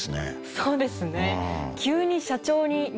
そうですね。